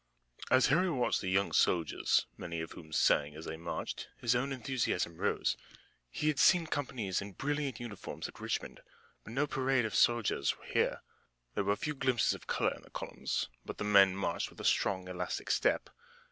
As Harry watched the young soldiers, many of whom sang as they marched, his own enthusiasm rose. He had seen companies in brilliant uniforms at Richmond, but no parade soldiers were here. There were few glimpses of color in the columns, but the men marched with a strong, elastic step.